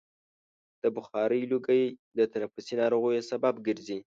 د بخارۍ لوګی د تنفسي ناروغیو سبب ګرځي.